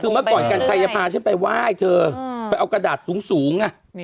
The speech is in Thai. เวอร์เตี้ยชัยก็จะไปไหว้กระดาษสูงชม